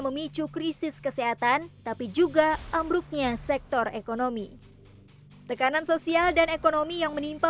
memicu krisis kesehatan tapi juga ambruknya sektor ekonomi tekanan sosial dan ekonomi yang menimpa